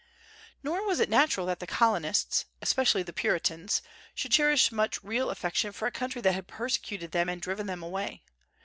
Nor was it natural that the Colonists, especially the Puritans, should cherish much real affection for a country that had persecuted them and driven them away.